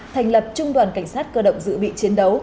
thành lập trung đoàn cảnh sát cơ động dự bị chiến đấu